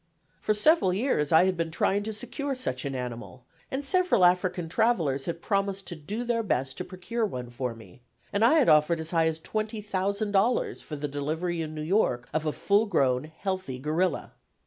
For several years I had been trying to secure such an animal, and several African travellers had promised to do their best to procure one for me; and I had offered as high as $20,000 for the delivery in New York of a full grown, healthy gorilla.